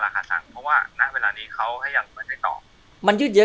แล้วช่างคนนั้นเนี่ยหมอค่าเครื่องมือ